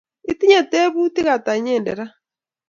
Itinye tyebutik ata inyendet ra?